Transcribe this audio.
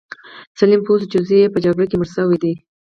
سلیم پوه شو چې زوی یې په جګړه کې مړ شوی دی.